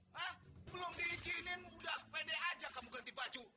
nah belum diizinin udah pede aja kamu ganti baju